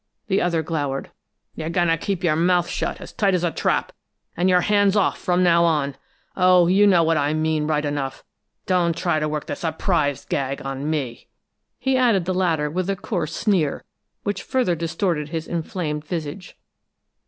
the other glowered. "You're goin' to keep your mouth shut as tight as a trap, and your hands off, from now on! Oh, you know what I mean, right enough. Don't try to work the surprised gag on me!" He added the latter with a coarse sneer which further distorted his inflamed visage.